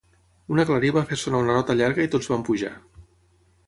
Una clarí va fer sonar una nota llarga i tots van pujar.